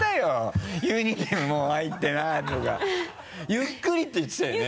「ゆっくり」って言ってたよね。